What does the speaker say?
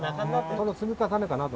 その積み重ねかなと。